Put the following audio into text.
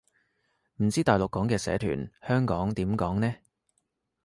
唔知大陸講嘅社團，香港點講呢